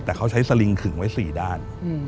แต่เขาใช้สลิงขึงไว้๔ด้าน